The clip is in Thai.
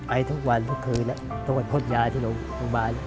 ไอทุกวันทุกคืนต้องการพดยาที่ลงบ้าน